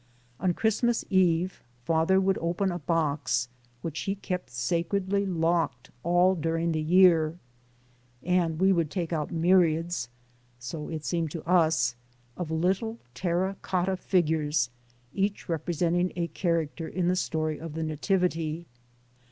On Christmas Eve father would open a box, which he kept sacredly locked all during the year, and we would take out myriads so it seemed to us of little terra cotta figures, each representing a character in the story of the Nativity.